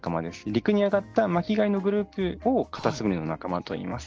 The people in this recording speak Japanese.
陸に上がった巻き貝のグループをカタツムリの仲間といいます。